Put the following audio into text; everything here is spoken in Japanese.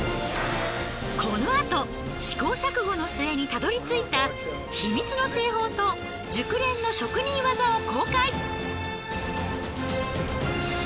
このあと試行錯誤のすえにたどり着いた秘密の製法と熟練の職人技を公開。